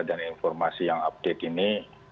dan informasi yang update ini